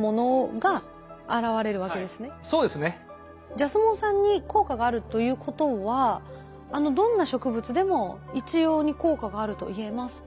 ジャスモン酸に効果があるということはどんな植物でも一様に効果があるといえますか？